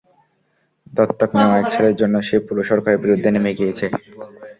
দত্তক নেওয়া এক ছেলের জন্য সে পুরো সরকারের বিরুদ্ধে নেমে গিয়েছে?